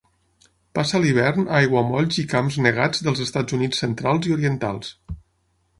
Passa l'hivern a aiguamolls i camps negats dels Estats Units centrals i orientals.